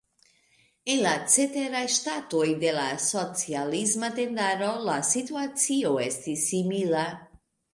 En la ceteraj ŝtatoj de la socialisma tendaro la situacio estis simila.